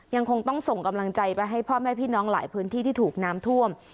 ยังคงต้องส่งกำลังใจไปให้พ่อแม่พี่น้องหลายพื้นที่ที่ถูกน้ำท่วม